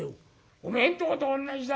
おめえんとことおんなじだよ。